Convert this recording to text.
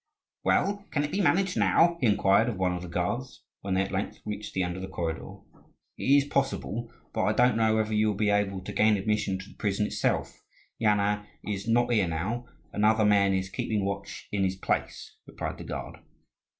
"Well, can it be managed now?" he inquired of one of the guards, when they at length reached the end of the corridor. "It is possible, but I don't know whether you will be able to gain admission to the prison itself. Yana is not here now; another man is keeping watch in his place," replied the guard.